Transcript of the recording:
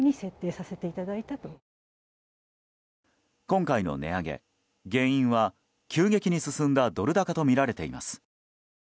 今回の値上げ、原因は急激に進んだドル高とみられています。